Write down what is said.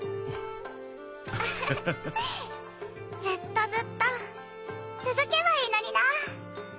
ずっとずっと続けばいいのにな。